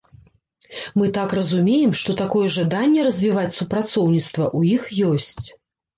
Мы так разумеем, што такое жаданне развіваць супрацоўніцтва ў іх ёсць.